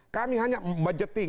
kami hanya budgeting